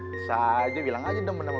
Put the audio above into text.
bisa aja bilang aja temen sama gue